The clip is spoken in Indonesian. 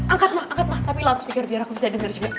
angkat mah angkat mah tapi loudspeaker biar aku bisa denger juga